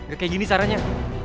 gak kayak gini caranya